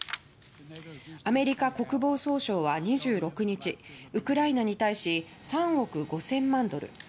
アメリカ国防総省は２６日ウクライナに対し３億５０００万ドル